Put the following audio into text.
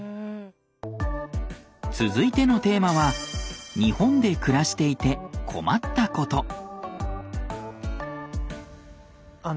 続いてのテーマは日本で暮らしていて困ったこと。